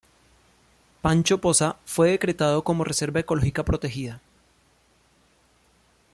Pancho Poza fue decretado como reserva ecológica protegida.